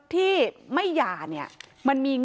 ทรัพย์สินที่เป็นของฝ่ายหญิง